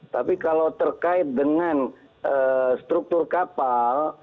tapi kalau terkait dengan struktur kapal